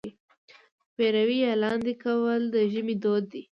پېروی یا لاندی کول د ژمي دود دی.